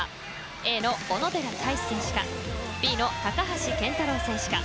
Ａの小野寺太志選手かＢの高橋健太郎選手か。